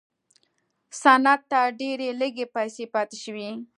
صنعت ته ډېرې لږې پیسې پاتې شوې.